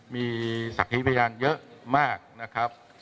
มีศักดิ์พยานเยอะมากนะครับ